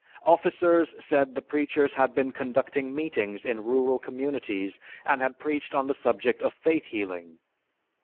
Officers said the preachers had been conducting meetings in rural communities and had preached on the subject of faith healing.